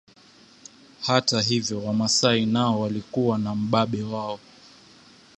Hata hivyo Wamasai nao walikuwa na mbabe wao